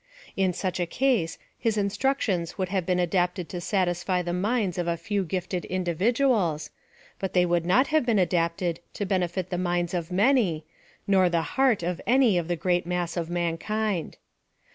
In such a case his instructions would have been adapted to satisfy the minds of a few gifted individuals, but they would not have been adapted to benefit the minds of many, nor the heart of any of the great mass of mankind.